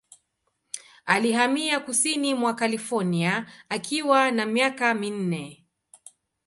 Alihamia kusini mwa California akiwa na miaka minne.